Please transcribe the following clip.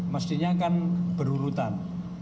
mestinya kan berurutan